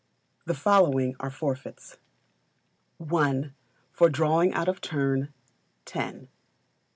The following are Forfeits: i. For drawing out of turn, 10; ii.